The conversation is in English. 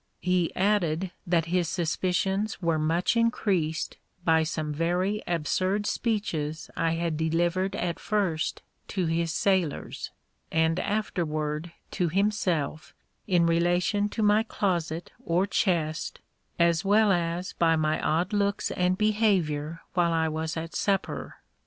He added that his suspicions were much increased by some very absurd speeches I had delivered at first to his sailors, and afterward to himself, in relation to my closet or chest, as well as by my odd looks and behavior while I was at supper.